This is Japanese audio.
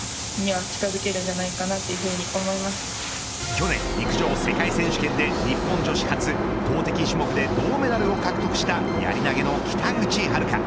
去年、陸上世界選手権で日本女子初投てき種目で銅メダルを獲得したやり投げの北口榛花。